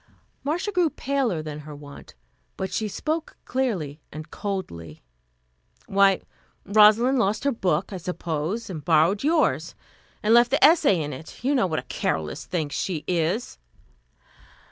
Marcia grew paler than her wont, but she spoke clearly and coldly. "Why, Rosalind lost her book I suppose, and borrowed yours, and left the essay in it. You know what a careless thing she is."